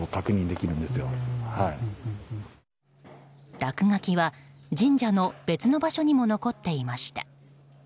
落書きは神社の別の場所にも残っていました。